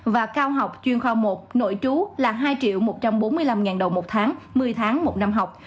và cao học chuyên khoa một nội trú là hai một trăm bốn mươi năm đồng một tháng một mươi tháng một năm học